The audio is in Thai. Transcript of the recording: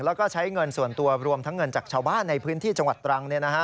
แล้วก็ใช้เงินส่วนตัวรวมทั้งเงินจากชาวบ้านในพื้นที่จังหวัดตรัง